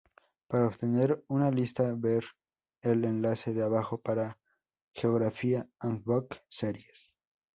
Para obtener una lista ver el enlace de abajo para geográfica Handbook Series.